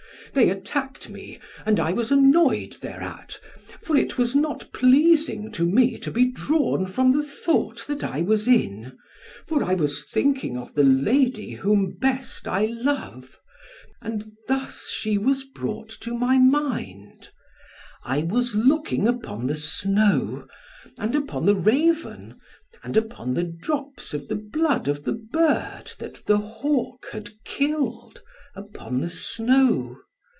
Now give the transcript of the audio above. They attacked me, and I was annoyed thereat, for it was not pleasing to me to be drawn from the thought that I was in, for I was thinking of the lady whom best I love; and thus was she brought to my mind, I was looking upon the snow, and upon the raven, and upon the drops of the blood of the bird that the hawk had killed upon the snow.